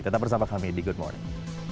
tetap bersama kami di good morning